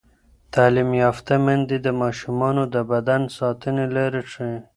تعلیم یافته میندې د ماشومانو د بدن ساتنې لارې ښيي.